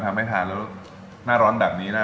ทำให้ทานน่าร้อนแบบนี้นะ